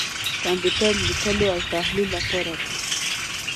کمپیوټر لیکلو او تحلیل لپاره دی.